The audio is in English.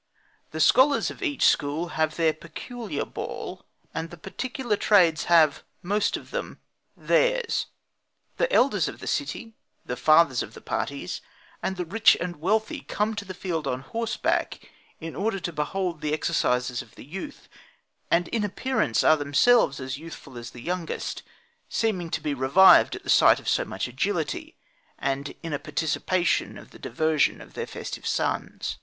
The scholars of each school have their peculiar ball; and the particular trades have, most of them, theirs. The elders of the city, the fathers of the parties, and the rich and wealthy, come to the field on horseback, in order to behold the exercises of the youth, and in appearance are themselves as youthful as the youngest; seeming to be revived at the sight of so much agility, and in a participation of the diversion of their festive sons.